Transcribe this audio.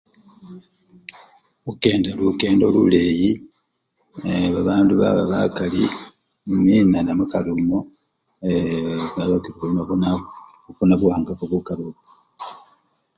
Khukenda lukendo luleyi nebabandu bababakali, muminana mukari omwo ee! kale khu! ku! ku! khufuna buwangafu mukari omwo.